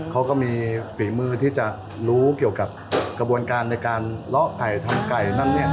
เขาก็มีฝีมือที่จะรู้เกี่ยวกับกระบวนการในการเลาะไก่ทำไก่นั่นเนี่ย